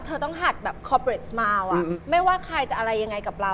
ก็แบบยิมแล้วก็สวัสดีครับคุณฮี่คุณคุณคุณค่ะ